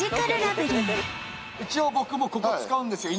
一応僕もここ使うんですよ